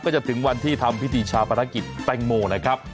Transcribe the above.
จะถึงวันที่ทำพิธีชาปนกิจแตงโมนะครับ